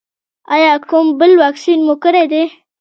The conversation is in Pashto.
ایا کوم بل واکسین مو کړی دی؟